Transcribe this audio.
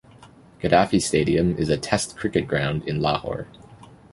Gaddafi Stadium is a Test cricket ground in Lahore.